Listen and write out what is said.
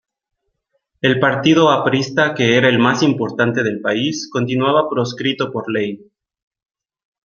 El partido aprista, que era el más importante del país, continuaba proscrito por ley.